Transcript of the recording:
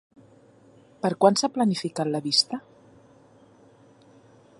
Per quan s'ha planificat la vista?